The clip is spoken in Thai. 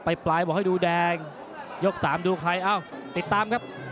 ปลายบอกให้ดูแดงยกสามดูใครเอ้าติดตามครับ